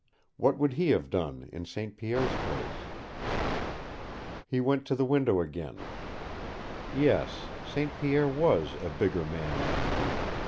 What would he have done in St. Pierre's place? He went to the window again. Yes, St. Pierre was a bigger man than he.